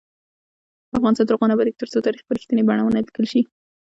افغانستان تر هغو نه ابادیږي، ترڅو تاریخ په رښتینې بڼه ونه لیکل شي.